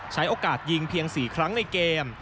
ใช้โอกาสยิงเพียง๔ครั้งในเกม